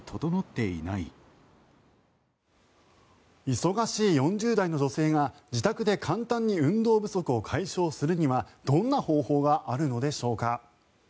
忙しい４０代の女性が自宅で簡単に運動不足を解消するにはどんな方法があるのでしょうか。